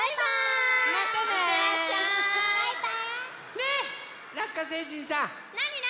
ねえラッカ星人さん。